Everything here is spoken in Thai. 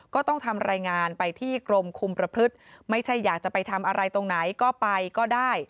ก็ต้องทำรายงานไปที่กรมคุมประพฤติไม่ใช่อยากจะไปทำอะไรตรงไหนก็ไปก็ได้